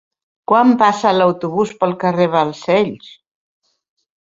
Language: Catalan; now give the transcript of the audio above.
Quan passa l'autobús pel carrer Balcells?